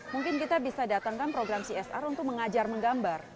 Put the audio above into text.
mungkin kita bisa datangkan program csr untuk mengajar menggambar